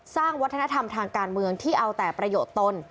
สร้างวัฒนธรรมทางการเมืองที่เอาแต่ประโยชน์ตน